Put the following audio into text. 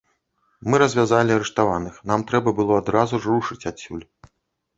Мы развязалі арыштаваных, нам трэба было адразу ж рушыць адсюль.